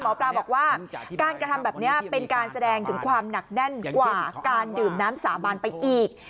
หมอปลาบอกว่าการกระทำแบบนี้เป็นการแสดงถึงความหนักแน่นกว่าการดื่มน้ำสาบานไปอีก